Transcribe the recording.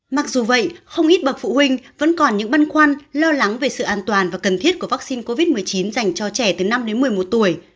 mặc dù vậy không ít bậc phụ huynh vẫn còn những băn khoăn lo lắng về sự an toàn và cần thiết của vaccine covid một mươi chín dành cho trẻ từ năm đến một mươi một tuổi